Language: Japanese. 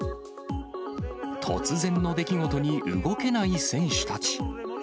突然の出来事に、動けない選手たち。